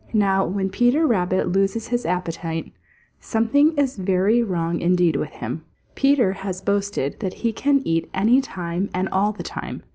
Now when Peter Rabbit loses his appetite, something is very wrong indeed with him. Peter has boasted that he can eat any time and all the time.